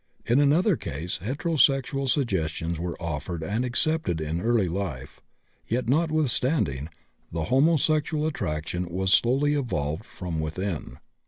In another case heterosexual suggestions were offered and accepted in early life, yet, notwithstanding, the homosexual attraction was slowly evolved from within.